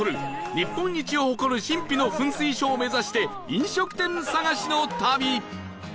日本一を誇る神秘の噴水ショーを目指して飲食店探しの旅